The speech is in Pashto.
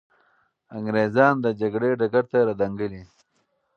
انګریزان د جګړې ډګر ته را دانګلي.